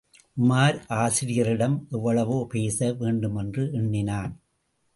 உமார், ஆசிரியரிடம் எவ்வளவோ பேச வேண்டுமென்று எண்ணினான்.